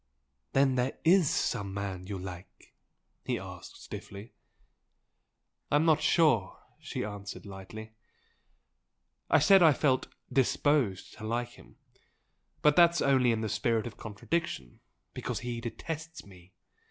"Then there IS some man you like?" he asked, stiffly. "I'm not sure!" she answered, lightly "I said I felt 'disposed' to like him! But that's only in the spirit of contradiction, because he detests ME!